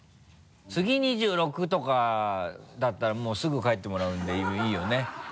次２６とかだったらもうすぐ帰ってもらうんでいいよね？